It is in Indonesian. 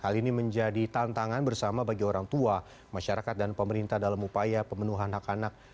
hal ini menjadi tantangan bersama bagi orang tua masyarakat dan pemerintah dalam upaya pemenuhan anak anak